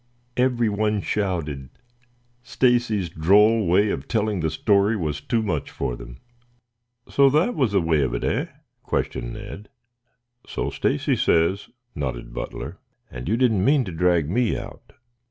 Everyone shouted. Stacy's droll way of telling the story was too much for them. "So that was the way of it, eh?" questioned Ned. "So Stacy says," nodded Butler. "And you didn't mean to drag me out?"